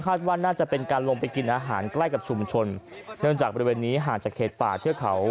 ว่าน่าจะเป็นการลงไปกินอาหารใกล้กับชุมชนเนื่องจากบริเวณนี้ห่างจากเขตป่าเทือกเขา